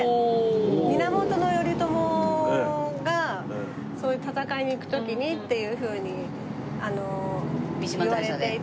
源頼朝が戦いに行く時にっていうふうにいわれていて。